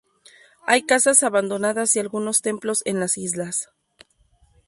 Hay casas abandonadas y algunos templos en las islas.